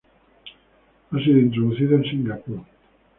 Ha sido introducido en Singapur.